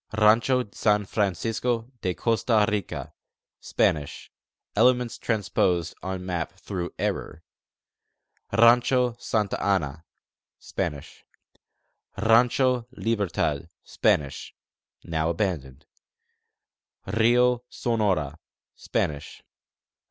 Rancho San Francisco de Costa Rica: Spanish (elements transposed on map through error). Rancho Santa Ana : Spanish. Rancho Libertad: Spanish (now abandoned). Rio Sonora : Spanish.